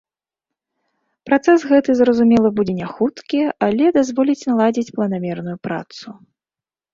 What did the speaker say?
Працэс гэты, зразумела, будзе не хуткі, але дазволіць наладзіць планамерную працу.